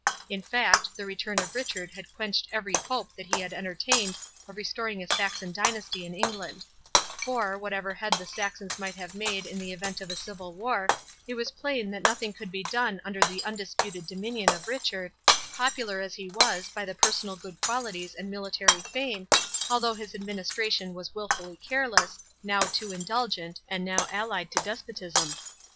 In fact, the return of Richard had quenched every hope that he had entertained of restoring a Saxon dynasty in England; for, whatever head the Saxons might have made in the event of a civil war, it was plain that nothing could be done under the undisputed dominion of Richard, popular as he was by his personal good qualities and military fame, although his administration was wilfully careless, now too indulgent, and now allied to despotism.